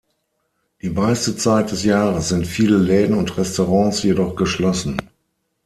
Die meiste Zeit des Jahres sind viele Läden und Restaurants jedoch geschlossen.